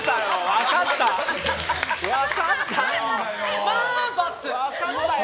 分かったよ！